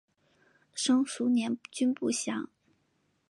生卒年均不详。